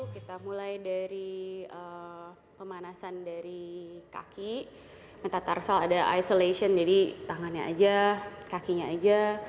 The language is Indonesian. kita mulai dari pemanasan dari kaki metatarsal ada isolation jadi tangannya aja kakinya aja